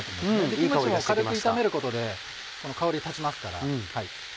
キムチも軽く炒めることで香り立ちますから。